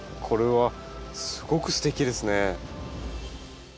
これはすごくすてきですね。